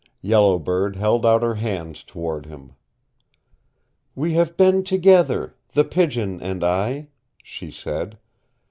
Yellow Bird held out her hands toward him. "We have been together, The Pigeon and I," she said.